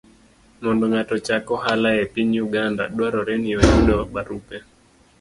Mondo ng'ato ochak ohala e piny Uganda, dwarore ni oyud barupe